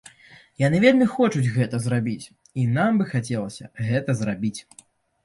Яны вельмі хочуць гэта зрабіць, і нам бы хацелася гэта зрабіць.